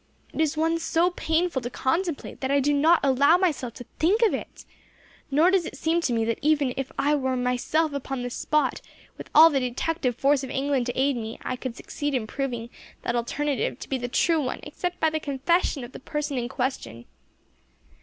It is one so painful to contemplate that I do not allow myself to think of it, nor does it seem to me that even were I myself upon the spot, with all the detective force of England to aid me, I could succeed in proving that alternative to be the true one except by the confession of the person in question.